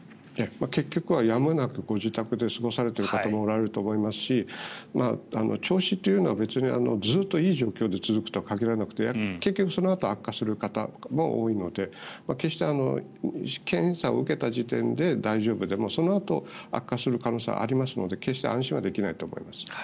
結局はやむなくご自宅で過ごされている方もおられると思いますし調子っていうのは、別にずっといい状況で続くとは限らなくて結局、そのあと悪化する方も多いので検査を受けた時点で大丈夫でもそのあと悪化する可能性はありますので決して安心はできないと思います。